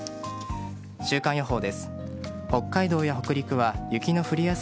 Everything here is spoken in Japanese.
週間予報です。